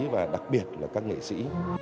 và đặc biệt là các nghệ sĩ